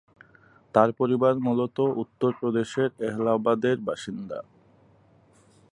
তার পরিবার মূলত উত্তর প্রদেশের এলাহাবাদের বাসিন্দা।